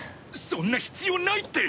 そんな必要ないって！